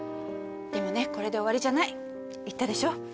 でもねこれで終わりじゃない言ったでしょ。